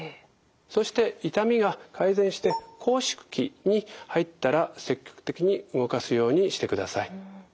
そして痛みが改善して拘縮期に入ったら積極的に動かすようにしてください。